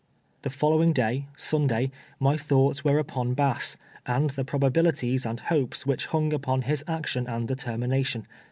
The following day, Sunday, my thoughts were upon Bass, and the probabilities and hopes which hung upon his action and determination.